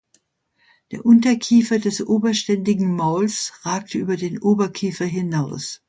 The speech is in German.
Der Unterkiefer des oberständigen Mauls ragt über den Oberkiefer hinaus.